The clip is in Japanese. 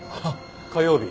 火曜日